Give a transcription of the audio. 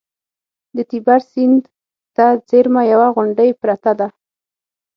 د تیبر سیند ته څېرمه یوه غونډۍ پرته ده